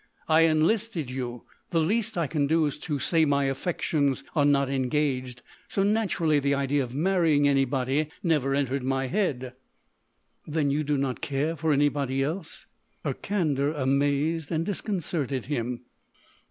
I enlisted you. The least I can do is to say my affections are not engaged; so naturally the idea of—of marrying anybody never entered my head." "Then you do not care for anybody else?" Her candour amazed and disconcerted him.